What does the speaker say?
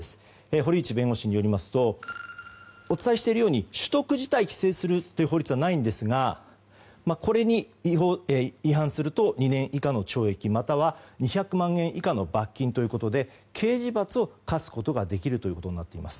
堀内弁護士によりますとお伝えしているように取得自体を規制する法律はないんですがこれに違反すると２年以下の懲役または２００万円以下の罰金ということで刑事罰を科すことができるということになっています。